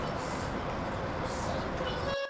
کېدای سي خبري اوږدې سي!!